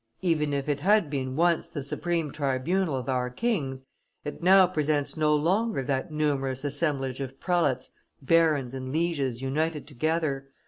Even if it had been once the supreme tribunal of our kings, it now presents no longer that numerous assemblage of prelates, barons, and lieges united together.